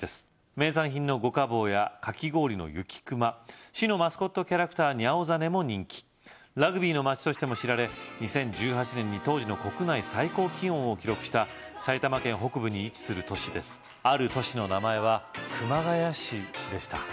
名産品の「五家宝」やかき氷の「雪くま」市のマスコットキャラクター・ニャオざねも人気ラグビーの街としても知られ２０１８年に当時の国内最高気温を記録した埼玉県北部に位置する都市ですある都市の名前は熊谷市でした